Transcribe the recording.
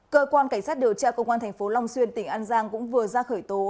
cơ quan cảnh sát điều tra công an thành phố long xuyên tỉnh an giang cũng vừa ra khởi tố